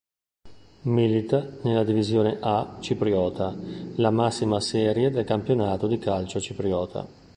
Milita nella Divisione A cipriota, la massima serie del campionato di calcio cipriota.